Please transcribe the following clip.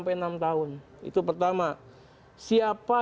itu pertama siapa